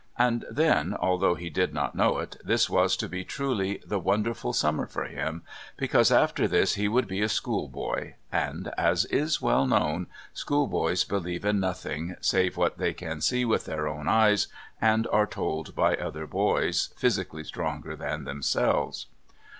And then, although he did not know it, this was to be truly the wonderful summer for him, because after this he would be a schoolboy and, as is well known, schoolboys believe in nothing save what they can see with their own eyes and are told by other boys physically stronger than themselves.